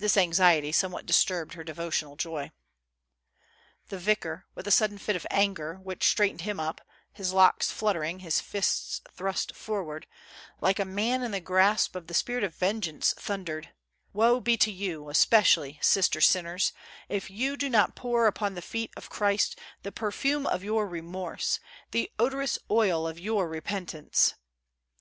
This anxiety somewhat disturbed her devotional joy. The vicar, with a sudden fit of anger, which straight ened him up, his locks fluttering, his fists thrust forward, like a man in the grasp of the Spirit of Vengeance, thundered :'' Woe be to you especially, sister sinners, if you do not pour upon the feet of Christ the perfume of your remorse, the odorous oil of your repentance